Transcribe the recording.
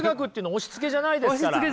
押しつけじゃないですから。